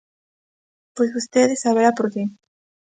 Pois vostede saberá por que.